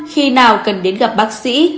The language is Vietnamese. năm khi nào cần đến gặp bác sĩ